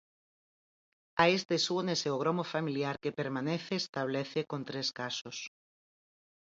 A estes únese o gromo familiar que permanece establece con tres casos.